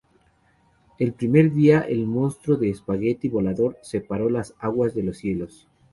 El primer día, el Monstruo de Espagueti Volador separó las aguas de los cielos.